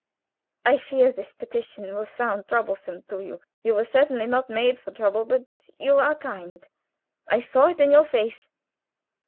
I fear this petition will sound troublesome to you, who were certainly not made for trouble, but you are kind. I saw it in your face.